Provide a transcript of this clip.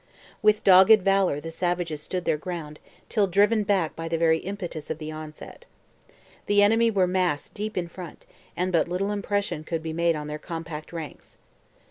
With dogged valour the savages stood their ground, till driven back by the very impetus of the onset. The enemy were massed deep in front and but little impression could be made on their compact ranks.